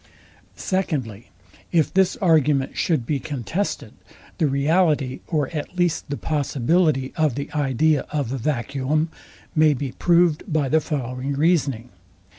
Secondly, If this argument should be contested, the reality or at least the possibility of the idea of a vacuum may be proved by the following reasoning.